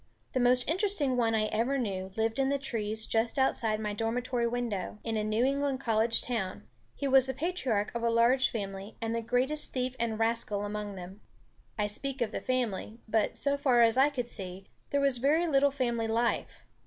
The most interesting one I ever knew lived in the trees just outside my dormitory window, in a New England college town. He was the patriarch of a large family, and the greatest thief and rascal among them. I speak of the family, but, so far as I could see, there was very little family life.